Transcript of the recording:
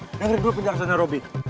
jangan terlalu pindah ke sana robby